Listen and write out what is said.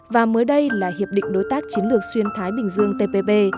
và mới đây là hiệp định đối tác chiến lược xuyên thái bình dương tpp